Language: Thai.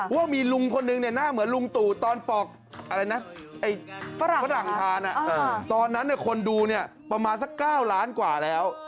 ว่ามีลุงคนนึงเนี่ยหน้าเหมือนลุงตู่ตอนปอกฝรั่งทานตอนนั้นคนดูเนี่ยประมาณสัก๙ล้านกว่าแล้ว